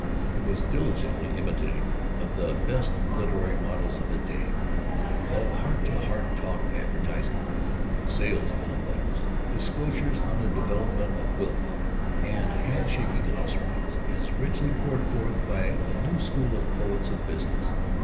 It was diligently imitative of the best literary models of the day; of heart to heart talk advertisements, "sales pulling" letters, discourses on the "development of Will power," and hand shaking house organs, as richly poured forth by the new school of Poets of Business.